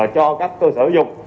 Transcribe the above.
cho các cơ sở dục